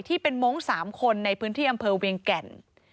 มงค์๓คนในพื้นที่อำเภอเวียงแก่น